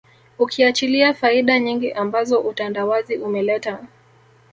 Ukiachilia faida nyingi ambazo utandawazi umeleta